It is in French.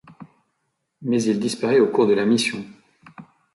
Mais il disparaît au cours de la mission.